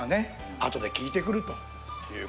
あとで効いてくるという事ですよ。